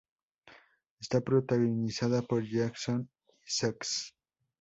Está protagonizada por Jason Isaacs.